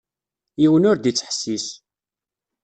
Yiwen ur d-ittḥessis.